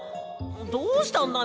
どうしたんだ